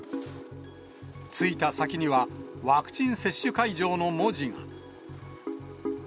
着いた先には、ワクチン接種会場の文字が。